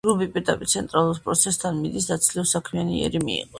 რუბი პირდაპირ ცენტრალურ პროცესორთან მიდის და ცდილობს საქმიანი იერი მიიღოს.